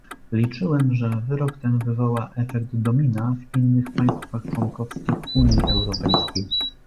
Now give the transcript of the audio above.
Liczyłem, że wyrok ten wywoła efekt domina w innych państwach członkowskich Unii Europejskiej